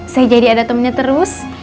saya jadi ada temennya terus